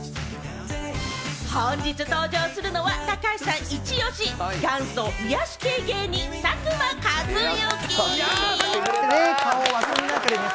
本日登場するのは高橋さんイチオシ、元祖癒し系芸人・佐久間一行。